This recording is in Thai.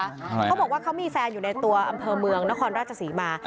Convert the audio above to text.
เขาบอกว่าเขามีแฟนอยู่ในตัวอำเภอเมืองนครราชศรีมา